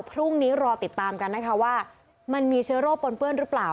พรุ่งนี้รอติดตามกันนะคะว่ามันมีเชื้อโรคปนเปื้อนหรือเปล่า